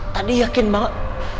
tadi yakin banget